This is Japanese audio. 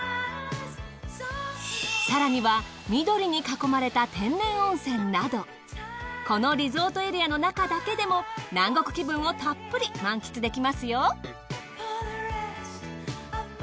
更には緑に囲まれた天然温泉などこのリゾートエリアの中だけでも南国気分をたっぷり満喫できますよ。